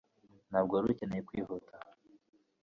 ntabwo wari ukeneye kwihuta